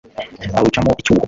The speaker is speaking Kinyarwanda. awucamo icyuho